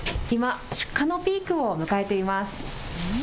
今、出荷のピークを迎えています。